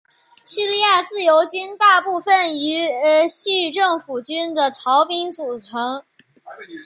叙利亚自由军大部分由叙政府军的逃兵组成。